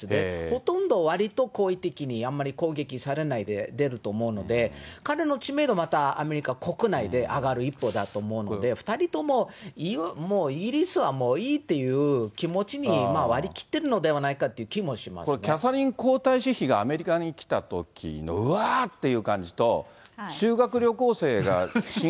ほとんどわりと好意的に、あんまり攻撃されないで出ると思うので、彼の知名度、またアメリカ国内で上がる一方だと思うので、２人とも、もうイギリスはもういいっていう気持ちに割り切ってるのではないこれ、キャサリン皇太子妃がアメリカに来たときの、うわーっていう感じと、修学旅行生が新